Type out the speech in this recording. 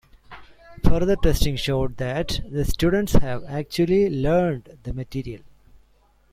Further testing showed that the students had actually learned the material.